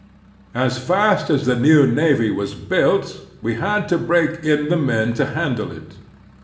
As fast as the new navy was built we had to break in the men to handle it.